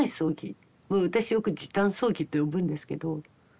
私よく時短葬儀と呼ぶんですけど。